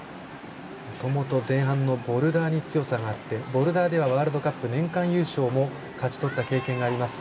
もともと前半のボルダーに強さがあって、ボルダーではワールドカップ年間優勝を勝ち取った経験があります。